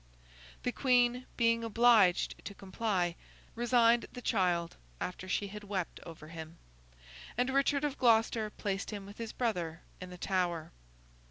The Queen, being obliged to comply, resigned the child after she had wept over him; and Richard of Gloucester placed him with his brother in the Tower.